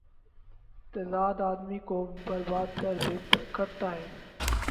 تضاد آ دمی کو بر باد کر تا ہے۔